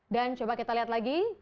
dan coba kita lihat lagi